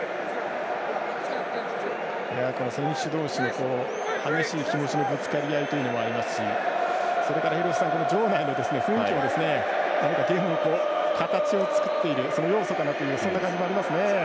選手同士の激しい気持ちのぶつかり合いもありますしそれから、場内の雰囲気も何かゲームの形を作っているその要素かなというそんな感じもありますね。